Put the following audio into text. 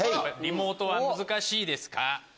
リモートは難しいですか？